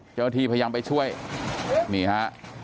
เจ้าหน้าที่พยายามไปช่วยนี่ฮะ